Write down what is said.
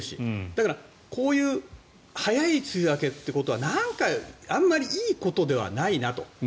だから、こういう早い梅雨明けってことはなんかあまりいいことではないなと。